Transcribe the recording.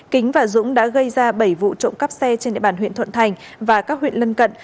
kính và dũng đã gây ra bảy vụ trộm cắp xe trên địa bàn huyện thuận thành và các huyện lân cận